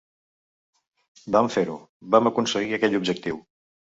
Vam fer-ho, vam aconseguir aquell objectiu.